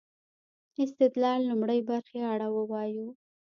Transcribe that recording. استدلال لومړۍ برخې اړه ووايو.